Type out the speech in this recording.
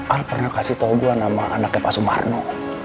ah pernah kasih tau gue nama anaknya pak sumarno